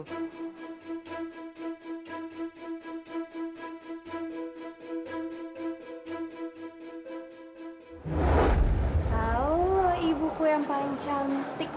kalau ibuku yang paling cantik